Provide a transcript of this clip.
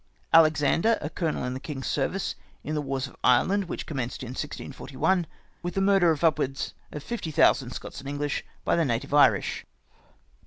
" Alexander, a colonel in the king's service, in the wars of Ireland, which commenced in 1641, with the murder of up wards of fifty thousand Scots and English by the native Irish.